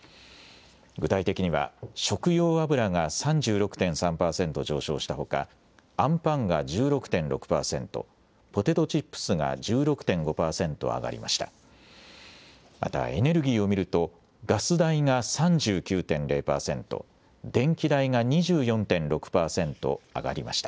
具体的には、食用油が３６．３％上昇したほか、あんパンが１６．６％、ポテトチップスが１６．５％上がりました。